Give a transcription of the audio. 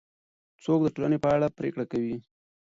څوک د ټولنې په اړه پرېکړه کوي؟